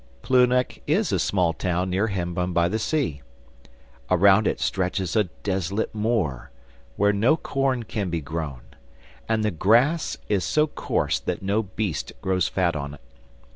Plouhinec is a small town near Hennebonne by the sea. Around it stretches a desolate moor, where no corn can be grown, and the grass is so coarse that no beast grows fat on it.